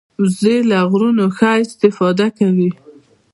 وزې له غرونو ښه استفاده کوي